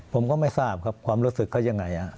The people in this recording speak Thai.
ผมก็ไม่ทราบครับความรู้สึกเขายังไง